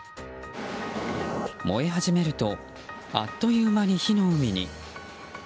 燃え始めるとあっという間に火の海に。